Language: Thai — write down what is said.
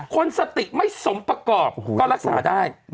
คนสติไม่สมประกอบก็รักษาได้